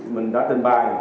mình đã tình bài